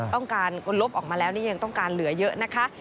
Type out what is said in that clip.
ต้องการลบออกมาแล้วนี่ยังต้องการเหลือเยอะนะคะ